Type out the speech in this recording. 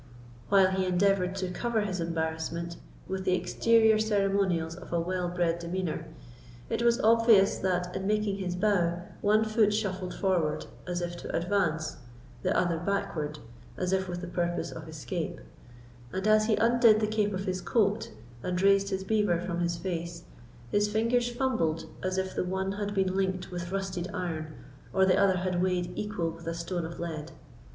While he endeavoured to cover his embarrassment with the exterior ceremonials of a well bred demeanour, it was obvious that, in making his bow, one foot shuffled forward, as if to advance, the other backward, as if with the purpose of escape; and as he undid the cape of his coat, and raised his beaver from his face, his fingers fumbled as if the one had been linked with rusted iron, or the other had weighed equal with a stone of lead.